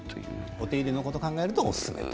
お手入れのことを考えるとおすすめと。